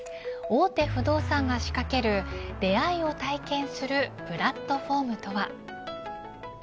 大手不動産が仕掛ける出会いを体験するプラットフォームとは。